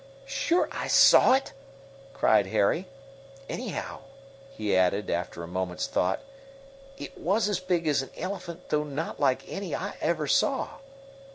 "Sure I saw it!" cried Harry. "Anyhow," he added, after a moment's thought, "it was as big as an elephant, though not like any I ever saw."